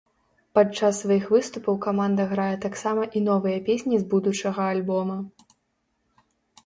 Падчас сваіх выступаў каманда грае таксама і новыя песні з будучага альбома.